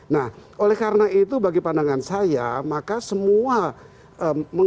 nah oleh karena itu bagi penyidik ini ini adalah hal yang sangat penting